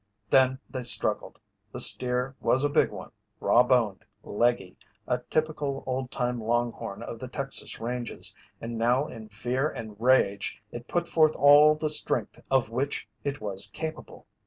Then they struggled. The steer was a big one, raw boned, leggy, a typical old time long horn of the Texas ranges, and now in fear and rage it put forth all the strength of which it was capable.